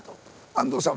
安藤さん